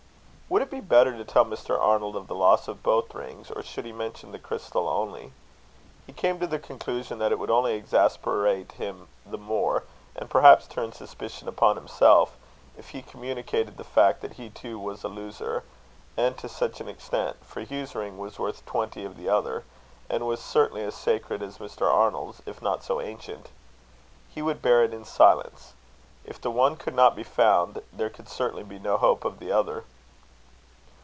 Would it be better to tell Mr. Arnold of the loss of both rings, or should he mention the crystal only? He came to the conclusion that it would only exasperate him the more, and perhaps turn suspicion upon himself, if he communicated the fact that he too was a loser, and to such an extent; for Hugh's ring was worth twenty of the other, and was certainly as sacred as Mr. Arnold's, if not so ancient. He would bear it in silence. If the one could not be found, there could certainly be no hope of the other.